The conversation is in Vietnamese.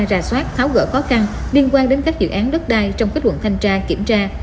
ra soát tháo gỡ khó khăn liên quan đến các dự án đất đai trong kết luận thanh tra kiểm tra